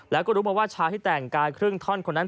แล้วก็รู้มาว่าชายที่แต่งกายครึ่งท่อนคนนั้น